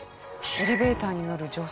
エレベーターに乗る女性。